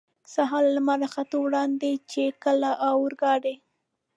سهار له لمر را ختو وړاندې، چې کله اورګاډی.